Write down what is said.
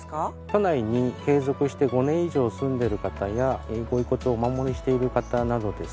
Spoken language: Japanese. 都内に継続して５年以上住んでいる方やご遺骨をお守りしている方などです。